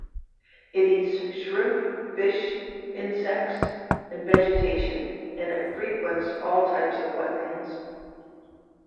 It eats shrimp, fish, insects, and vegetation, and it frequents all types of wetlands.